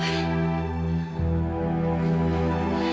nah ini revisi revisi yang